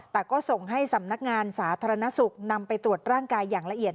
แต่ก็ส่งให้สำนักงานสาธารณสุขนำไปตรวจร่างกายอย่างละเอียด